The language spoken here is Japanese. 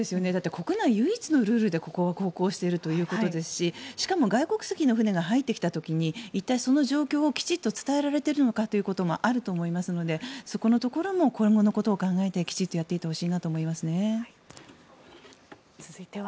国内唯一のルールでここは航行しているということですししかも、外国籍の船が入ってきた時に一体、その状況をきっちり伝えられているのかもあると思いますのでそこのところも今後のことを考えてきちんとやっていってほしいと思いますね。